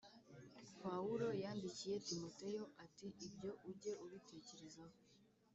Pawulo yandikiye Timoteyo ati ibyo ujye ubitekerezaho